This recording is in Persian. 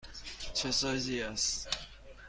چه سایزی است؟